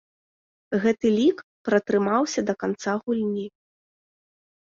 Гэты лік пратрымаўся да канца гульні.